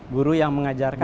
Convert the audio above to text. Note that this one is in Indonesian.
guru yang mengajarkan